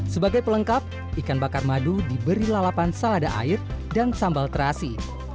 sebagai pelengkap ikan bakar madu diberi lalapan salada air dan sambal terasi